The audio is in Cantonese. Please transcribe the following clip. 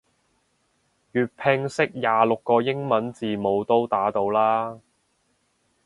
粵拼識廿六個英文字母都打到啦